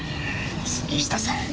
杉下さん。